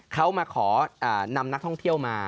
เขามาขอนำนักท่องเที่ยวมา